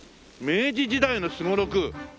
明治時代のすごろく。